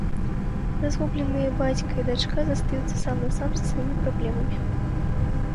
Разгубленыя бацька і дачка застаюцца сам-насам са сваімі праблемамі.